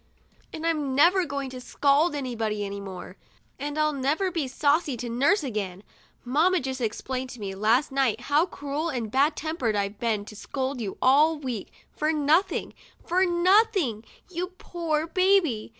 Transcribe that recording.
And 'm never going to scold anybody any more, and I'll never be saucy to nurse again, lamma just explained to me, last jht, how cruel and ad tempered I've been to scold you all week for nothing — for nothing, you poor baby!